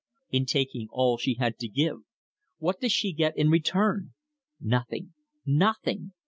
In taking all she had to give. What does she get in return? Nothing nothing.